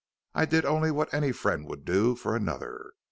I did only what any friend would do for another.